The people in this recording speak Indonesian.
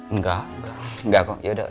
enggak enggak kok yaudah